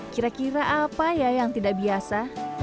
kira kira apa ya yang tidak biasa